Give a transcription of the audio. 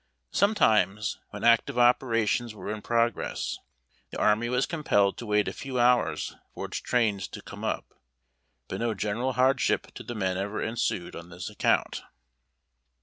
Sometimes, when active operations were in progress, the army was compelled to wait a few hours for its trains to come up, but no general hardship to the men ever ensued on this account.